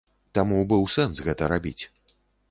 Таму быў сэнс гэта рабіць.